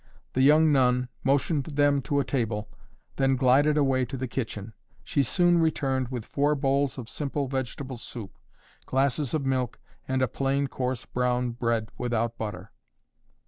The young nun motioned them to a table, then glided away to the kitchen. She soon returned with four bowls of simple vegetable soup, glasses of milk and a plain coarse brown bread without butter.